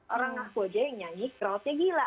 orang aku aja yang nyanyi crowdnya gila